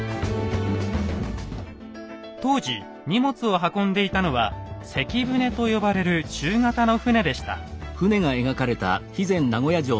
当時荷物を運んでいたのは「関船」と呼ばれる中型の船でした。